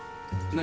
何？